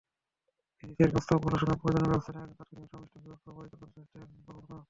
বেসিসের প্রস্তাবগুলো শুনে প্রয়োজনীয় ব্যবস্থা নেওয়ার জন্য তাৎক্ষণিকভাবে সংশ্লিষ্ট বিভাগকে অবহিত করেন গভর্নর।